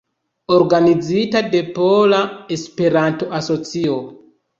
Organizita de Pola Esperanto-Asocio.